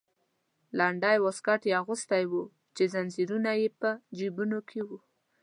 لنډی واسکټ یې اغوستی و چې زنځیرونه یې په جیبونو کې وو.